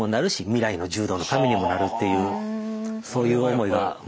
未来の柔道のためにもなるっていうそういう思いが。